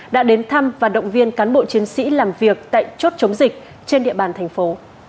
đã đến thăm và động viên cán bộ chiến sĩ làm việc tại chốt chống dịch trên địa bàn thành phố